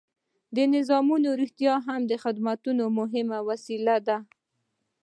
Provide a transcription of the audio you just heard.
نظامونه رښتیا هم د خدماتو مهمې وسیلې دي.